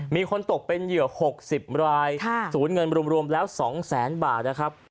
มีคนตกเป็นเหยื่อ๖๐รายศูนย์เงินรวมแล้ว๒แสนบาทนะครับ